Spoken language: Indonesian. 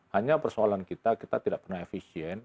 hanya persoalan kita kita tidak pernah efisien